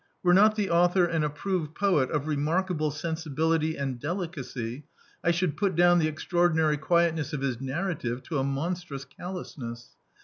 Were not the author an approved poet of remarkable sensibility and deli cacy I should put down the extraordinary quietness of his narrative to a monstrous callousness.